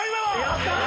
やったー！